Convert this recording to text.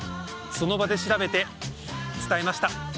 その場で調べて伝えました。